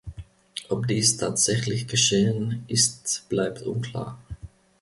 Ob dies tatsächlich geschehen ist, bleibt unklar.